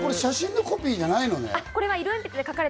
写真のコピーじゃないのね。